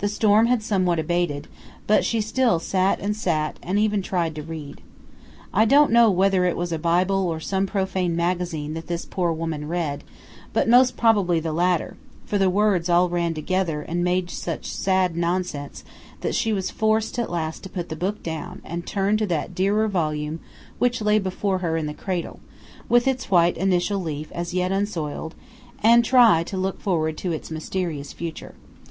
The storm had somewhat abated, but she still "sat and sat," and even tried to read. I don't know whether it was a Bible or some profane magazine that this poor woman read, but most probably the latter, for the words all ran together and made such sad nonsense that she was forced at last to put the book down and turn to that dearer volume which lay before her in the cradle, with its white initial leaf as yet unsoiled, and try to look forward to its mysterious future.